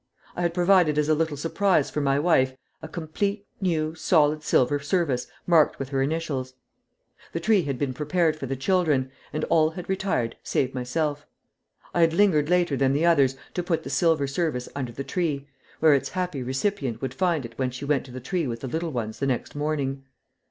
I had provided as a little surprise for my wife a complete new solid silver service marked with her initials. The tree had been prepared for the children, and all had retired save myself. I had lingered later than the others to put the silver service under the tree, where its happy recipient would find it when she went to the tree with the little ones the next morning.